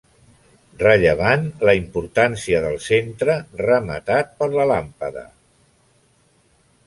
Rellevant la importància del centre rematat per la làmpada.